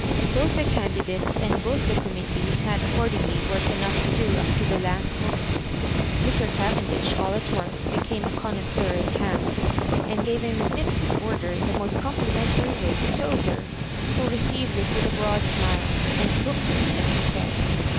Both the candidates and both the commit tees had accordingly work enough to do up to the last moment Mr. Cavendish all at once be came a connoisseur in hams, and gave a magnifi cent order in the most complimentary way to Tozer, who received it with a broad smile, and *' booked" it, as he said.